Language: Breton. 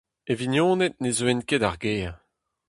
E vignoned ne zeuent ket d'ar gêr.